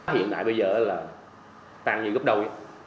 hiện tại bây giờ là tăng như gấp đầu